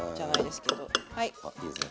あいいですね